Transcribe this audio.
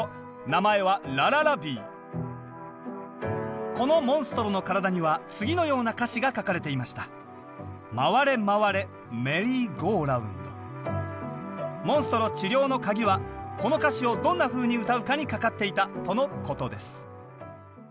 名前はこのモンストロの体には次のような歌詞が書かれていましたモンストロ治療のカギはこの歌詞をどんなふうに歌うかにかかっていたとのことです。